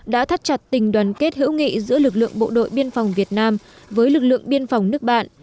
đã thắt chặt tình đoàn kết hữu nghị giữa lực lượng bộ đội biên phòng việt nam với lực lượng biên phòng nước bạn